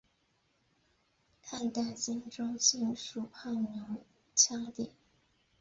汉代今州境属牦牛羌地。